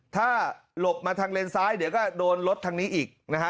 ถ้าหลบมาทางเลนซ้ายเดี๋ยวก็โดนรถทางนี้อีกนะฮะ